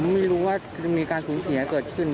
ไม่รู้ว่าจะมีการสูญเสียเกิดขึ้น